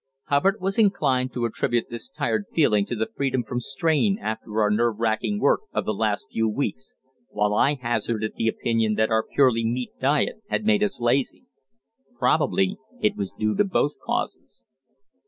Hubbard was inclined to attribute this tired feeling to the freedom from strain after our nerve racking work of the last few weeks, while I hazarded the opinion that our purely meat diet had made us lazy. Probably it was due to both causes.